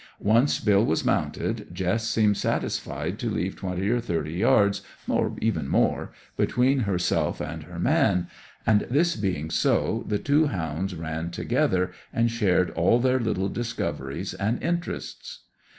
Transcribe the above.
Once Bill was mounted, Jess seemed satisfied to leave twenty or thirty yards, or even more, between herself and her man; and, this being so, the two hounds ran together and shared all their little discoveries and interests.